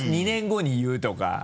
２年後に言うとか。